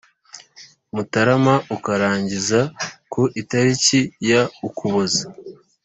Mutarama ukarangira ku itariki ya Ukuboza